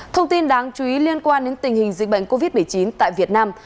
thông tin đáng chú ý liên quan đến tình hình dịch bệnh covid một mươi chín tại việt nam